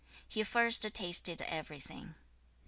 He first tasted everything. 君祭/先飯.